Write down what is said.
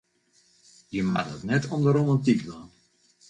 Je moatte it net om de romantyk dwaan.